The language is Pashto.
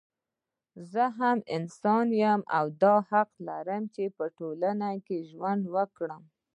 زه هم انسان يم او دا حق لرم چې په ټولنه کې ژوند وکړم